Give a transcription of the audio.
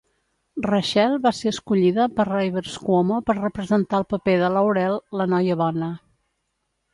Rachel va ser escollida per Rivers Cuomo per representar el paper de Laurel, la "noia bona".